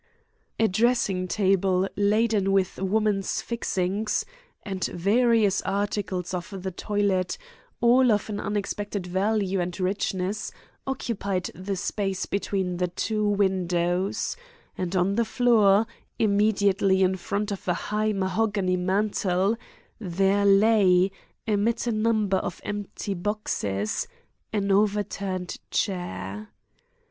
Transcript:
A dressing table laden with woman's fixings and various articles of the toilet, all of an unexpected value and richness, occupied the space between the two windows; and on the floor, immediately in front of a high mahogany mantel, there lay, amid a number of empty boxes, an overturned chair.